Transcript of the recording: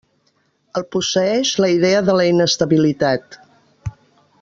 El posseeix la idea de la inestabilitat.